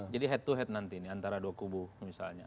jadi head to head nanti nih antara dua kubu misalnya